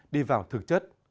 đi vào thực chất